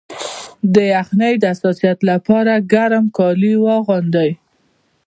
د یخنۍ د حساسیت لپاره ګرم کالي واغوندئ